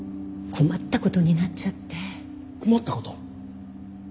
困った事？